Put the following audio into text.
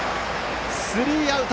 スリーアウト！